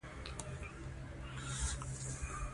• شنې سترګې د ګلابي او زرغون سیوري سره مشابه ښکاري.